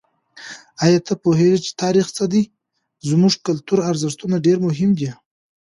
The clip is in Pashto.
آیا ته پوهېږې چې تاریخ څه دی؟ زموږ کلتوري ارزښتونه ډېر مهم دي.